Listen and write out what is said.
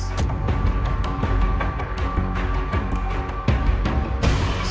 apa mau eksis